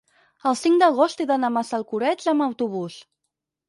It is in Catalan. el cinc d'agost he d'anar a Massalcoreig amb autobús.